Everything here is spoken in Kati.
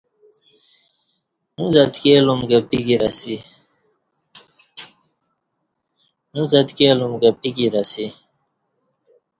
اݩڅ اتکی الوم کہ پکیر اسی۔